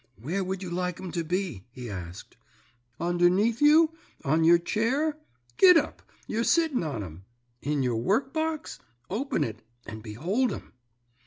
"'Where would you like 'em to be?' he asked. 'Underneath you, on your chair? Git up; you're sitting on 'em. In your workbox? Open it and behold 'em.'